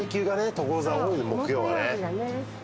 所沢は多い木曜はね。